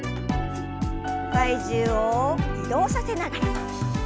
体重を移動させながら。